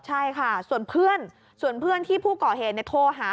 ใช่ค่ะส่วนเพื่อนที่ผู้ก่อเหตุโทรหา